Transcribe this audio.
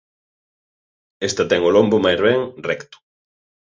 Esta ten o lombo máis ben recto.